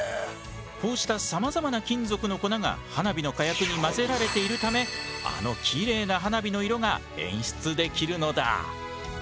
こうしたさまざまな金属の粉が花火の火薬に混ぜられているためあのきれいな花火の色が演出できるのだ。